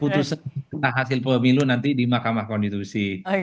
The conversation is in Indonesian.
putusan hasil pemilu nanti di mahkamah konstitusi